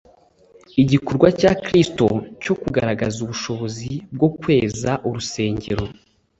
Igikorwa cya Kristo cyo kugaragaza ubushobozi bwo kweza urusengero